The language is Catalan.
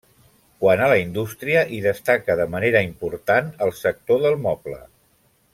Quant a la indústria, hi destaca de manera important el sector del moble.